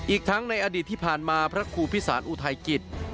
อีกทั้งในอดีตที่ผ่านมาพระครูพิสารอุทัยกิจ